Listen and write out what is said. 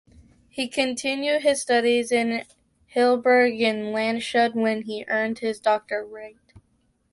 He continued his studies in Heidelberg and Landshut, where he earned his doctorate.